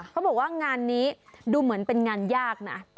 เขาบอกว่างานนี้ดูเหมือนเป็นงานยากนะ